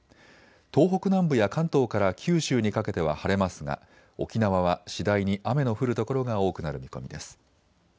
東北南部や関東から九州にかけては晴れますが沖縄は次第に雨の降る所が多くなる見込みです。